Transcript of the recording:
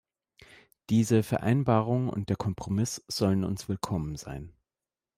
Diese Vereinbarung und der Kompromiss sollen uns willkommen sein.